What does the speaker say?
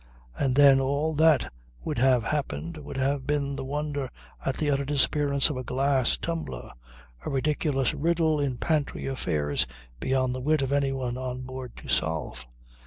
And then all that would have happened would have been the wonder at the utter disappearance of a glass tumbler, a ridiculous riddle in pantry affairs beyond the wit of anyone on board to solve.